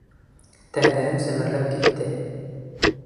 Тәндәрем семерләп китте.